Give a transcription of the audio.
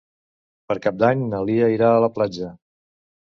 Per Cap d'Any na Lia irà a la platja.